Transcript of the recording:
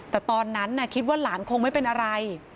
แต่ตอนนั้นคิดว่าหลานคงไม่เป็นอะไร